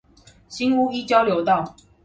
新屋一交流道